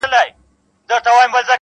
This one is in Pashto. نن محتسب له خپل کتابه بندیز ولګاوه-